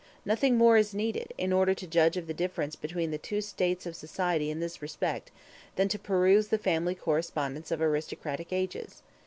Nothing more is needed, in order to judge of the difference between the two states of society in this respect, than to peruse the family correspondence of aristocratic ages.